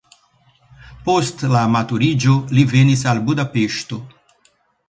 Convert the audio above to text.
Post la maturiĝo li venis al Budapeŝto.